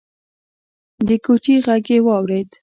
د کوچي غږ يې واورېد: